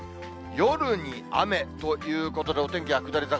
夜に雨ということで、お天気は下り坂。